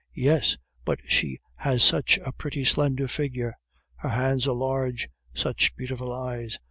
"Yes, but she has such a pretty slender figure!" "Her hands are large." "Such beautiful eyes!"